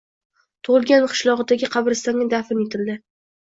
tug’ilgan qishlog’idagi qabristonga dafn etildi.